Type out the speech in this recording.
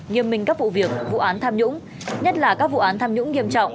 nghiêm minh các vụ việc vụ án tham nhũng nhất là các vụ án tham nhũng nghiêm trọng